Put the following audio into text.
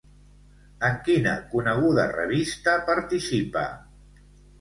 En quina coneguda revista participa?